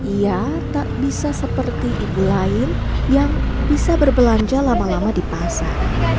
ia tak bisa seperti ibu lain yang bisa berbelanja lama lama di pasar